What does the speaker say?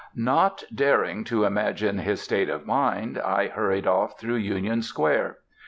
Not daring to imagine his state of mind, I hurried off through Union Square.